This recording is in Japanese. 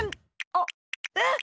あっえっ！？